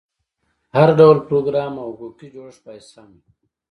هر ډول پروګرام او حقوقي جوړښت باید سم وي.